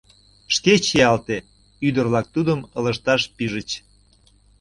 Шке чиялтет! — ӱдыр-влак тудым ылыжташ пижыч.